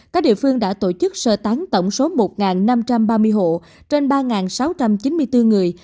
các địa phương đã tổ chức sơ tán tổng số một năm trăm ba mươi hộ trên ba sáu trăm chín mươi bốn người